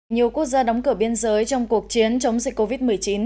nhiều quốc gia đóng cửa biên giới trong cuộc chiến chống dịch covid một mươi chín